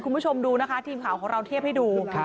คุณผู้ชมดูนะคะทีมข่าวของเราเทียบให้ดู